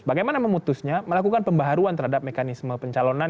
bagaimana memutusnya melakukan pembaharuan terhadap mekanisme pencalonan